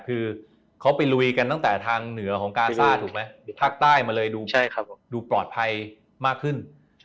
คือเขาไปลุยกันตั้งแต่ทางเหนือของกาซ่าถูกไหมภาคใต้มาเลยดูปลอดภัยมากขึ้น